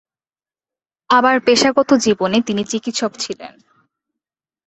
আবার পেশাগত জীবনে তিনি চিকিৎসক ছিলেন।